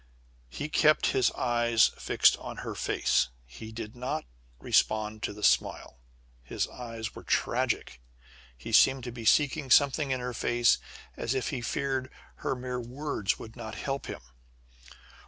He kept his eyes fixed on her face. He did not respond to the smile. His eyes were tragic. He seemed to be seeking something in her face as if he feared her mere words would not help him.